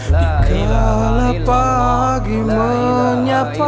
dikalah pagi menyapa